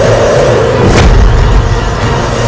dan menghentikan raiber